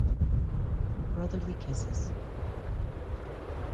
Brotherly kisses.